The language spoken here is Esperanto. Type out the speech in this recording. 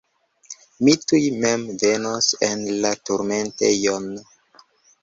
Mi tuj mem venos en la turmentejon.